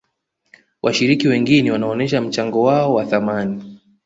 washiriki wengine wanaonesha mchango wao wa thamani